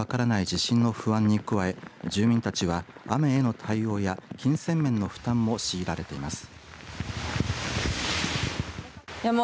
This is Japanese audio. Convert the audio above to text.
地震の不安に加え住民たちは雨への対応や金銭面の負担も強いられています。